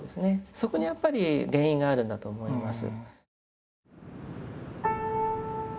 そこにやっぱり原因があるんだと思います。